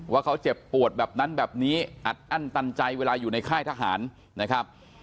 ว่าเขาเจ็บปวดแบบนั้นแบบนี้อัดอั้นตันใจเวลาอยู่ในค่ายทหารนะครับ